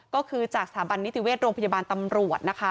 ก็คือจากสถาบันนิติเวชโรงพยาบาลตำรวจนะคะ